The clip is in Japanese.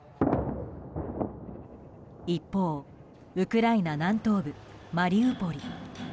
一方、ウクライナ南東部マリウポリ。